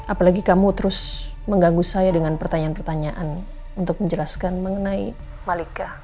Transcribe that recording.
apalagi kamu terus mengganggu saya dengan pertanyaan pertanyaan untuk menjelaskan mengenai malika